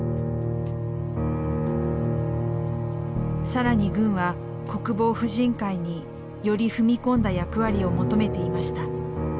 更に軍は国防婦人会により踏み込んだ役割を求めていました。